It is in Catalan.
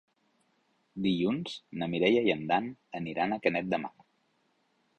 Dilluns na Mireia i en Dan aniran a Canet de Mar.